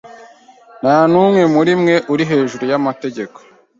ntanumwe murimwe uri hejuru y’amategeko